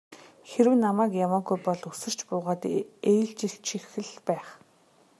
Хэрэв намайг яваагүй бол үсэрч буугаад ээлжилчих л байх.